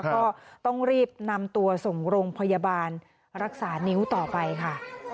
ก็ต้องรีบนำตัวส่งโรงพยาบาลรักษานิ้วต่อไปค่ะ